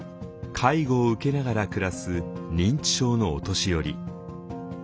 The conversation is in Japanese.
介護を受けながら暮らす認知症のお年寄り。